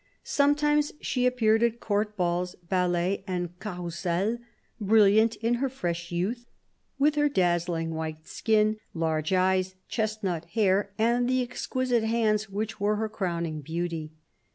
Sometimes she appeared at Court 6 82 CARDINAL DE RICHELIEU balls, ballets and carrousels, brilliant in her fresh youth, with her dazzlingly white skin, large eyes, chestnut hair, and the exquisite hands which were her crowning beauty.